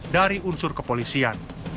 dari unsur kepolisian